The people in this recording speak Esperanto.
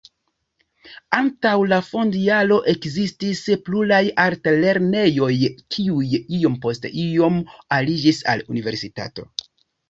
Antaŭ la fond-jaro ekzistis pluraj altlernejoj, kiuj iom post iom aliĝis al universitato.